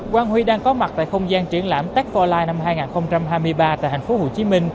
quang huy đang có mặt tại không gian triển lãm tech bốn line năm hai nghìn hai mươi ba tại tp hcm